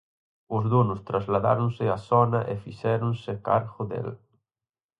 Os donos trasladáronse á zona e fixéronse cargo del.